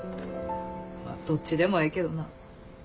まあどっちでもええけどな。